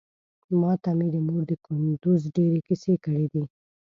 ماته مې مور د کندوز ډېرې کيسې کړې دي.